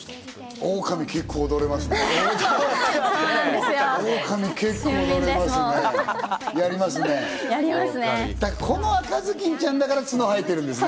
オオカミ、結構踊れますね。